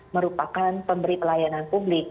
merupakan pemberi pelayanan publik